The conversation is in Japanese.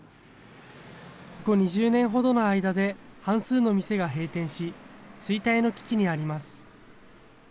ここ２０年ほどの間で半数の店が閉店し、衰退の危機にあります。